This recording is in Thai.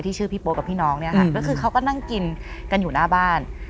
ชื่อพี่โป๊กับพี่น้องเนี่ยค่ะก็คือเขาก็นั่งกินกันอยู่หน้าบ้าน